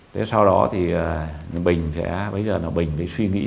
thế sau đó thì bình sẽ bây giờ là bình bị suy nghĩ